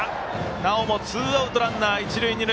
なおもツーアウトランナー、一塁二塁。